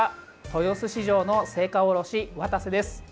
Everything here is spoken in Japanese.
豊洲市場の青果卸、渡瀬です。